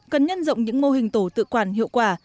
cần nhân rộng những mô hình tổ tự quản hiệu quả